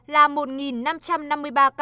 là một năm trăm năm mươi ba ca